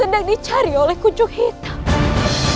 yang sedang dicari oleh kunjung hitam